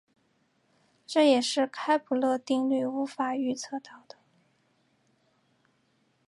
这也是开普勒定律无法预测到的。